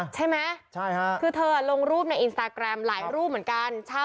ใช่ไหมคือเธอลงรูปในอินสตาแกรมหลายรูปเหมือนกัน